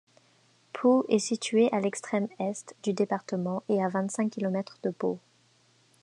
Pouts est située à l'extrême est du département et à vingt-cinq kilomètres de Pau.